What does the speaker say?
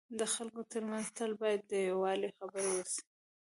د خلکو ترمنځ تل باید د یووالي خبري وسي.